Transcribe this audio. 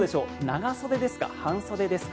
半袖ですか？